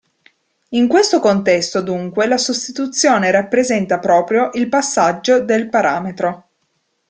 In questo contesto dunque la sostituzione rappresenta proprio il passaggio del parametro.